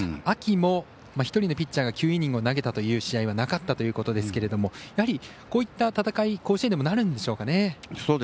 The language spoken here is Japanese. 秋も１人のピッチャーが９イニングを投げた試合はなかったということですけどやはりこういった戦いに甲子園でもなるんでしょうかね。